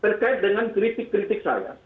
terkait dengan kritik kritik saya